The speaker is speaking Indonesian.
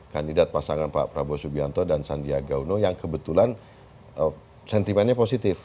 kandidat pasangan pak prabowo subianto dan sandiaga uno yang kebetulan sentimennya positif